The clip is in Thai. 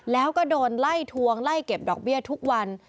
แล้วก็โดนไล่ทวงไล่เก็บดอกเบี้ยทุกวัน